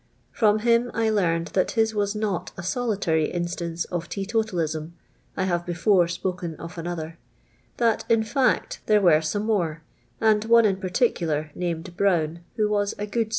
From linn I learned that his was not a solitaiy instance of fetottili^m (I luive be fore spoken of another) : that, in fact, there were some more, and one in |iarticular, named lirown, wlio was a geod i.